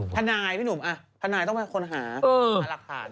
ทนายพี่หนุ่มทนายต้องเป็นคนหาหาหลักฐาน